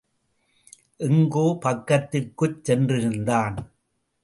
எங்கோ பக்கத்திற்குச் சென்றிருந்தான்.